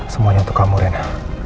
semuanya untuk kamu rena